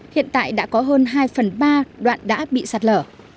hiện tại đã có hơn hai phần ba đoạn đã bị sạt lở